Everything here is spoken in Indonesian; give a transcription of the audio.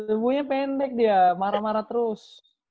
semuanya pendek dia marah marah terus